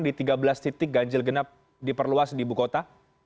di tiga belas titik ganjil genap diperluas di ibu kota